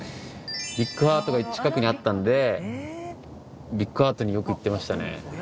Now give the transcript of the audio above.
ビッグハートが近くにあったんでビッグハートによく行ってましたね。